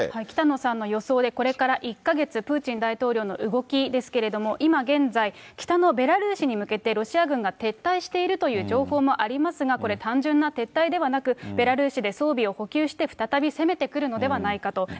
北野さんの予想で、これから１か月、プーチン大統領の動きですけれども、今現在、北のベラルーシに向けてロシア軍が撤退しているという情報もありますが、これ、単純な撤退ではなく、ベラルーシで装備を補給して再び攻めてくるのではないかと。